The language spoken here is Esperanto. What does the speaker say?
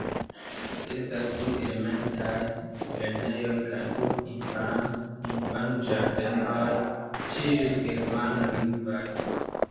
Estas du elementaj lernejoj kaj du infanĝardenoj, ĉiuj germanlingvaj.